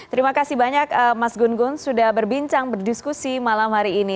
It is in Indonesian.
terima kasih banyak mas gun gun sudah berbincang berdiskusi malam hari ini